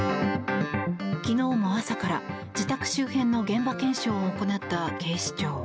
昨日も朝から自宅周辺の現場検証を行った警視庁。